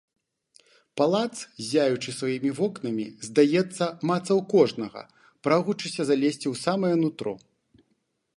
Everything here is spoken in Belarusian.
Палац, ззяючы сваімі вокнамі, здаецца, мацаў кожнага, прагучыся залезці ў самае нутро.